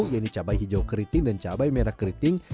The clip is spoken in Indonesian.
yang dicabai hijau keriting dan cabai merah keriting